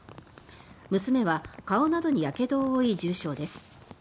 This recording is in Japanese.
娘は顔などにやけどを負い重傷です。